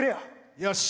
よし！